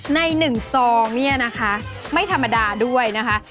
ในหนึ่งซองเนี่ยนะคะไม่ธรรมดาด้วยนะคะ